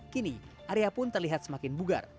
kini arya pun terlihat semakin bugar